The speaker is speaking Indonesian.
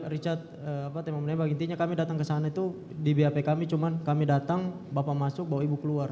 richard apa tema menembak intinya kami datang ke sana itu di bap kami cuma kami datang bapak masuk bawa ibu keluar